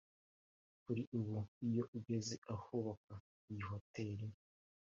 Kuri ubu iyo ugeze ahubakwa iyi hoteli